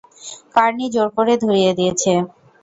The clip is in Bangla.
কার্নি জোর করে ধরিয়ে দিয়েছে!